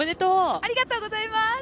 ありがとうございます！